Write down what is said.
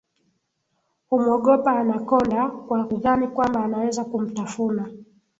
humwogopa Anacconda kwa kudhani kwamba anaweza kumtafuna